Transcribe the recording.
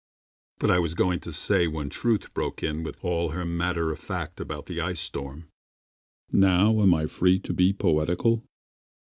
But I was going to say when Truth broke in With all her matter of fact about the ice storm (Now am I free to be poetical?)